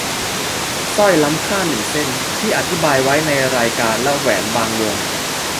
สร้อยล้ำค่าหนึ่งเส้นที่อธิบายไว้ในรายการและแหวนบางวง